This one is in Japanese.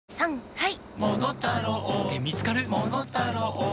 はい！